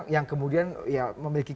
yang kemudian memiliki